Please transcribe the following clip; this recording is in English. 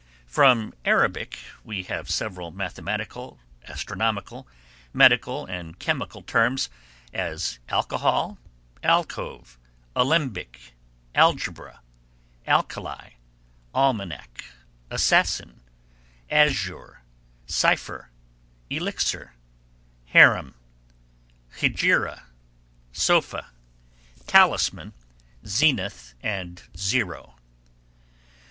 From Arabic we have several mathematical, astronomical, medical and chemical terms as alcohol, alcove, alembic, algebra, alkali, almanac, assassin, azure, cipher, elixir, harem, hegira, sofa, talisman, zenith and zero.